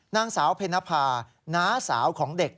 นางสาวเพนภาน้าสาวของเด็ก